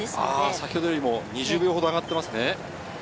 先ほどより２０秒ほど上がっていますね。